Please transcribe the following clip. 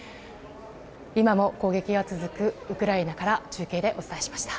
今も攻撃が続くウクライナから中継でお伝えしました。